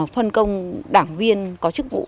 phân công đảng viên có chức vụ